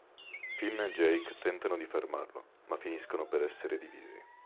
Finn e Jake tentano di fermarlo ma finiscono per essere divisi.